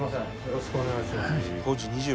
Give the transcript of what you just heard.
よろしくお願いします。